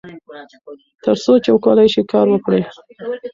تر څو چې کولای شئ کار وکړئ.